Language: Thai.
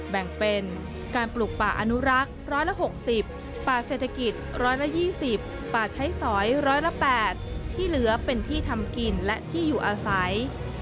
แบ่งเป็นการปลูกป่าอนุรักษ์๑๖๐ป่าเศรษฐกิจ๑๒๐ป่าใช้สอยร้อยละ๘ที่เหลือเป็นที่ทำกินและที่อยู่อาศัย